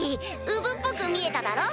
うぶっぽく見えただろ？